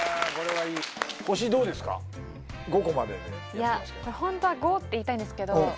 いやホントは「５」って言いたいんですけど